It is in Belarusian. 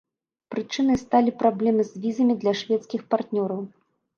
Прычынай сталі праблемы з візамі для шведскіх партнёраў.